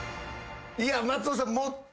いや松本さん